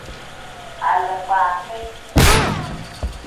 Alikpakin.